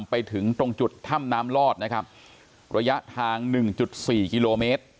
ไปถึงตรงจุดถ้ำน้ำลอดนะครับระยะทางหนึ่งจุดสี่กิโลเมตร